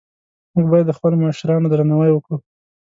موږ باید د خپلو مشرانو درناوی وکړو